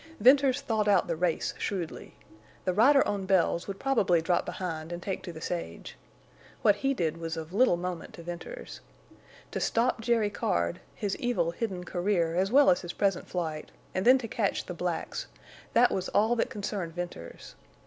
Venters thought out the race shrewdly. The rider on Bells would probably drop behind and take to the sage. What he did was of little moment to Venters. To stop Jerry Card, his evil hidden career as well as his present flight, and then to catch the blacks—that was all that concerned Venters.